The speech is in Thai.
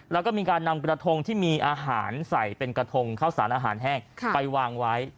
แล้วก็มีการนำกระทงที่มีอาหารใส่เป็นกระทงข้าวสารอาหารแห้งไปวางไว้